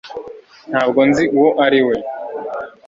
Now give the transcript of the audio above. Ntabwo nzi uwo ari we